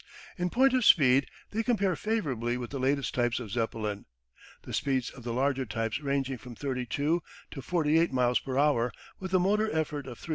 In point of speed they compare favourably with the latest types of Zeppelin, the speeds of the larger types ranging from 32 to 48 miles per hour with a motor effort of 360 to 400 horse power.